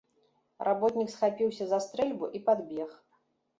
Работнік схапіўся за стрэльбу і падбег.